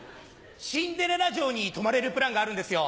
シンデレラ城に泊まれるプランがあるんですよ。